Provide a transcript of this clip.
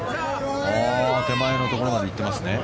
手前のところまで行ってますね。